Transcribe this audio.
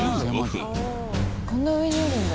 こんな上にあるんだ。